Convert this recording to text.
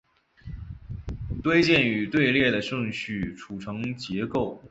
堆栈与队列的顺序存储结构